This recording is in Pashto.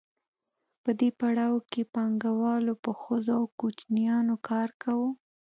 په دې پړاو کې پانګوالو په ښځو او کوچنیانو کار کاوه